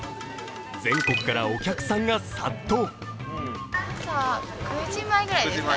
全国からお客さんが殺到。